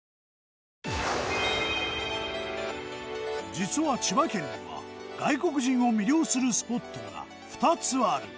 実は千葉県には外国人を魅了するスポットが２つある。